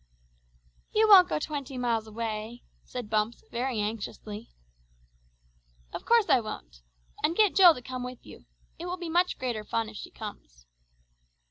"You won't go twenty miles away?" said Bumps very anxiously. "Of course I won't! And get Jill to come with you. It will be much greater fun if she comes."